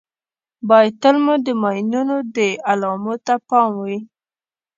باید تل مو د ماینونو د علامو ته پام وي.